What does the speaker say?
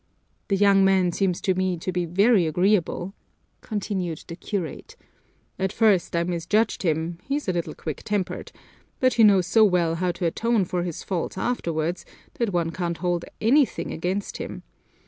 "That young man seems to me to be very agreeable," continued the curate. "At first I misjudged him he's a little quick tempered but he knows so well how to atone for his faults afterwards that one can't hold anything against him.